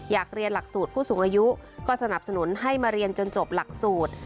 อยากเรียนหลักสูตรผู้สูงอายุก็สนับสนุนให้มาเรียนจนจบหลักสูตร